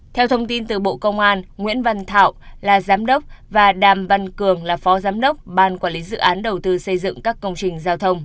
theo thông tin từ bộ công an nguyễn văn thảo là giám đốc và đàm văn cường là phó giám đốc ban quản lý dự án đầu tư xây dựng các công trình giao thông